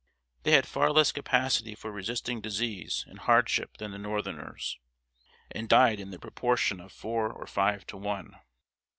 They had far less capacity for resisting disease and hardship than the northeners, and died in the proportion of four or five to one.